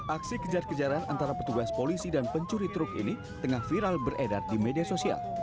aksi kejar kejaran antara petugas polisi dan pencuri truk ini tengah viral beredar di media sosial